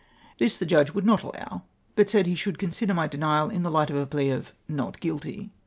This the Judge would not allow, but said he slioidd consider my denial in the light of a plea of " not guilty."